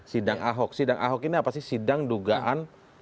sidang ahok sidang ahok ini apa sih sidang dugaan